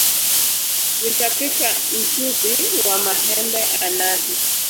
Nitapika ntudhi wa mahembe a nadhi